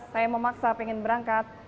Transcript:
saya memaksa pengen berangkat